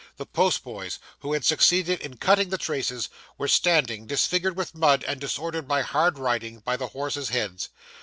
The post boys, who had succeeded in cutting the traces, were standing, disfigured with mud and disordered by hard riding, by the horses' heads.